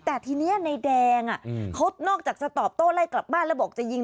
แต่ทีนี้นายแดงเขานอกจากจะตอบโต้ไล่กลับบ้านแล้วบอกจะยิง